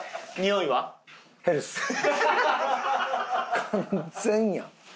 完全やん。